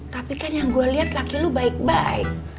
tapi kan yang gue liat laki lu baik baik